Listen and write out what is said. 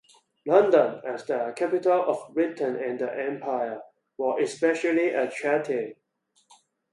London, as the capital of Britain and the Empire, was especially attractive.